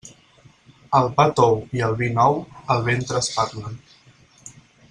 El pa tou i el vi nou, el ventre espatlen.